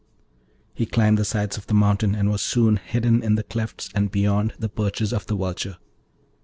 He climbed the sides of the mountain, and was soon hidden in the clefts and beyond the perches of the vulture.